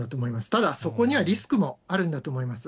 ただ、そこにはリスクもあるんだと思います。